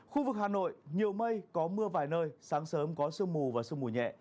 khu vực hà nội nhiều mây có mưa vài nơi sáng sớm có sương mù và sương mù nhẹ